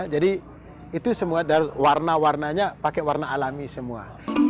jadi itu semua warna warnanya pakai warna alami semua